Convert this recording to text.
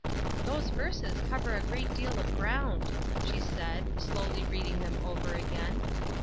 "Those verses cover a great deal of ground," she said, slowly reading them over again.